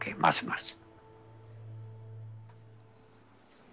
ますます。